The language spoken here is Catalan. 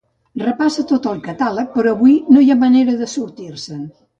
Repassa tot el catàleg, però avui no hi ha manera de sortir-se'n.